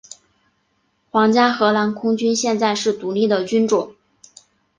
皇家荷兰空军现在是独立的军种。